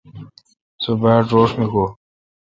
سو باڑ روݭ می گوی۔